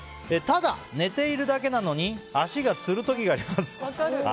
ただ寝ているだけなのに足がつる時があります。